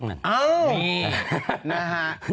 นี่นะฮะ